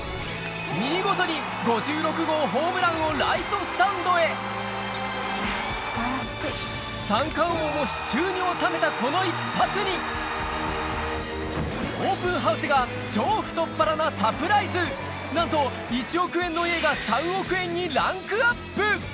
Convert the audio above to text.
見事に５６号ホームランをライトスタンドへ素晴らしい。も手中に収めたこの一発にオープンハウスがなんと１億円の家が３億円にランクアップ！